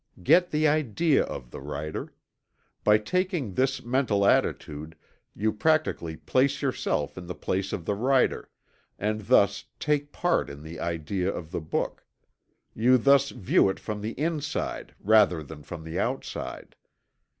Get the idea of the writer. By taking this mental attitude you practically place yourself in the place of the writer, and thus take part in the idea of the book. You thus view it from the inside, rather than from the outside.